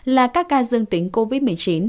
là các ca dương tính covid một mươi chín